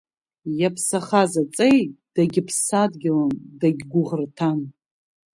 Иаԥсахаз аҵеи дагьыԥсадгьылын, дагьгәыӷырҭан.